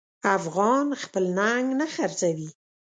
افغان خپل ننګ نه خرڅوي.